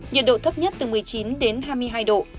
nhiệt độ thấp nhất từ một mươi chín đến hai mươi hai độ